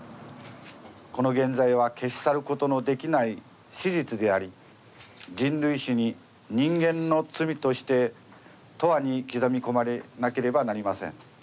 この原罪は消し去ることのできない史実であり人類史に人間の罪として永久に刻み込まれなければなりません。